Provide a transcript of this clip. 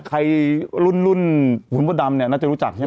ใครรุ่นคุณพ่อดำเนี่ยน่าจะรู้จักใช่ไหม